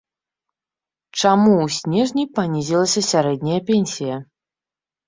Чаму у снежні панізілася сярэдняя пенсія?